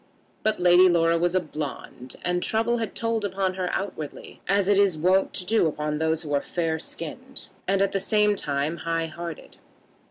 But Lady Laura was a blonde, and trouble had told upon her outwardly, as it is wont to do upon those who are fair skinned, and, at the same time, high hearted.